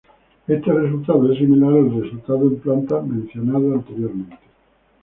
Este resultado es similar al resultado en plantas mencionado anteriormente.